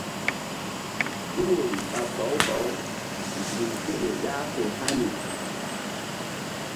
Tul woyri ɓa bawu bawu nzukri ké ƴo ƴah fe hani.